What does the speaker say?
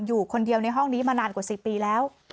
อยู่คนเดียวในห้องนี้มานานกว่า๑๐ปีแล้ว